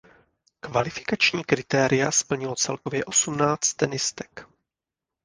Kvalifikační kritéria splnilo celkově osmnáct tenistek.